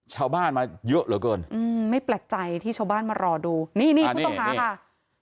ชาวบ้านมาเยอะเหลือเกินอืมไม่แปลกใจที่ชาวบ้านมารอดูนี่นี่ผู้ต้องหาค่ะ